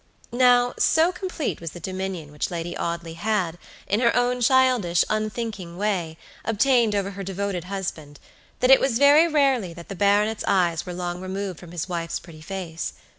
Now, so complete was the dominion which Lady Audley had, in her own childish, unthinking way, obtained over her devoted husband, that it was very rarely that the baronet's eyes were long removed from his wife's pretty face.